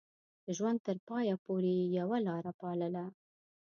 د ژوند تر پايه پورې يې يوه لاره پالله.